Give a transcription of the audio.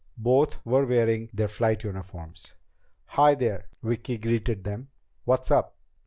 Both were wearing their flight uniforms. "Hi, there," Vicki greeted them. "What's up?"